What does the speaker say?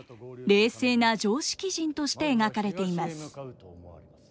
冷静な常識人として描かれています。